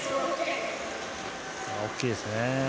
大きいですね。